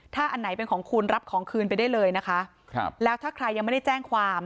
ถ้าอันไหนเป็นของคุณรับของคืนไปได้เลยนะคะครับแล้วถ้าใครยังไม่ได้แจ้งความ